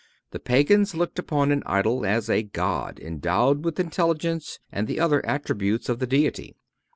The Pagans looked upon an idol as a god endowed with intelligence and the other attributes of the Deity.